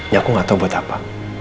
yang aku gak tahu buat apa